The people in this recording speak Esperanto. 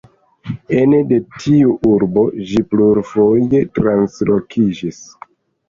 Ene de tiu urbo ĝi plurfoje translokiĝis.